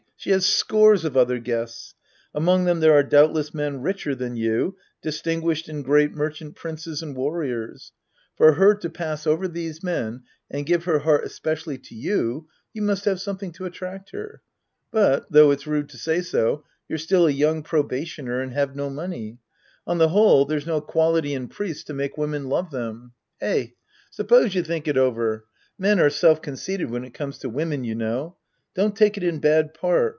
She has scores of other guests. Among them there are doubtless men richer than you — distinguished and great merchant princes and warriors. For her Sc. I The Priest and His Disciples 193 to pass over these men and give her heart espe cially to you, you must have something to attract her. But, though it's rude to say so, you're still a young probationer and have no money. On the whole, there's no quality in priests to make women love them. Eh. Suppose you think it over. Men are self conceitea when it comes to women, you know. Don't take it in bad part.